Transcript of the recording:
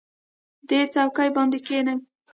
دې څوکۍ باندې کېنئ.